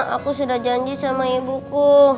aku sudah janji sama ibuku